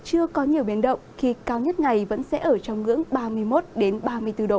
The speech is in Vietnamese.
chưa có nhiều biến động khi cao nhất ngày vẫn sẽ ở trong ngưỡng ba mươi một ba mươi bốn độ